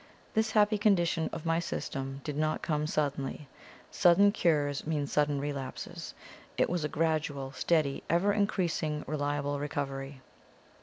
This happy condition of my system did not come suddenly sudden cures mean sudden relapses; it was a gradual, steady, ever increasing, reliable recovery.